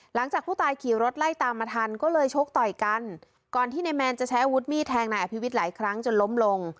หลังจากผู้ตายขี่รถไล่ตามมาทันก็เลยชกต่อยกันก่อนที่นายแมนจะใช้อาวุธมีดแทงนายอภิวิตหลายครั้งจนล้มลง